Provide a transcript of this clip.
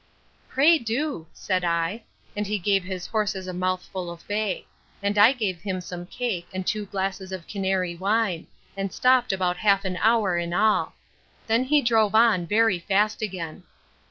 Pray do, said I; and he gave his horses a mouthful of bay: and I gave him some cake, and two glasses of Canary wine; and stopt about half an hour in all. Then he drove on very fast again.